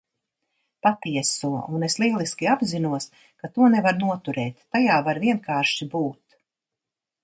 Patieso. Un es lieliski apzinos, ka to nevar noturēt, tajā var vienkārši būt.